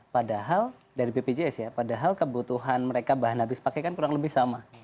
padahal dari bpjs ya padahal kebutuhan mereka bahan habis pakai kan kurang lebih sama